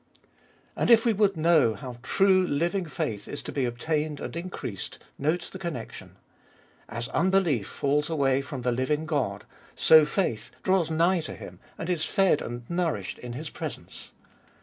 And if we would know how true living faith is to be obtained and increased, note the connection. As unbelief falls away from the living God, so faith draws nigh to Him and is fed and nourished in His presence.